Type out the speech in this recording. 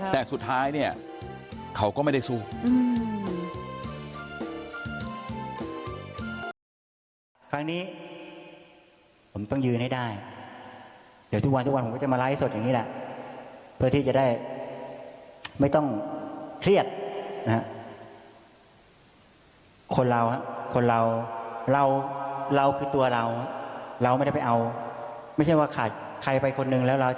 แต่สุดท้ายเนี่ยเขาก็ไม่ได้สู้